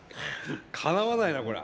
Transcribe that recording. かなわないなこりゃ。